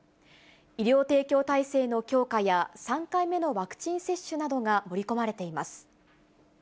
医療提供体制の強化や、３回目のワクチン接種などが盛り込まれています。